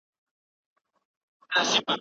د څيړني په چارو کي بیړه مه کوئ.